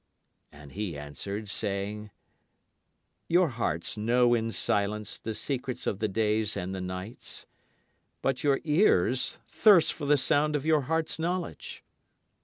And he answered, saying: Your hearts know in silence the secrets of the days and the nights. But your ears thirst for the sound of your heart's knowledge.